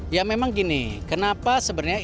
ya memang gini kenapa sebenarnya ini sih